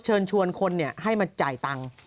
เชิญชวนคนให้มาจ่ายตังค์